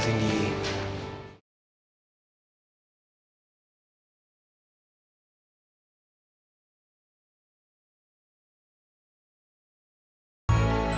sini tah selamat ketahuan